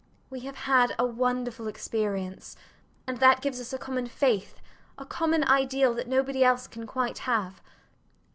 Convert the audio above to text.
We have had a wonderful experience; and that gives us a common faith, a common ideal, that nobody else can quite have.